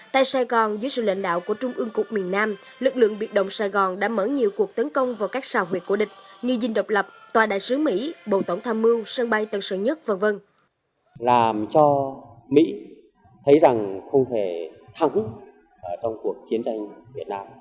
tại sài gòn dưới sự lãnh đạo của trung ương cục miền nam lực lượng biệt động sài gòn đã mở nhiều cuộc tấn công vào các xào huyệt của địch như dinh độc lập tòa đại sứ mỹ bộ tổng tham mưu sân bay tân sơn nhất v v